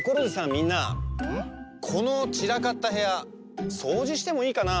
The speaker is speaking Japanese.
みんなこのちらかったへやそうじしてもいいかな？